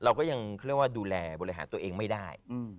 เราก็ยังเขาเรียกว่าดูแลบริหารตัวเองไม่ได้